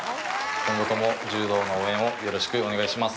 今後とも柔道の応援をよろしくお願いします。